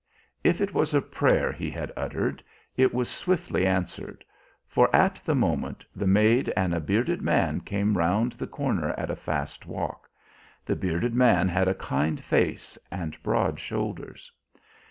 If it was a prayer he had uttered it was swiftly answered; for at the moment the maid and a bearded man came round the corner at a fast walk. The bearded man had a kind face and broad shoulders.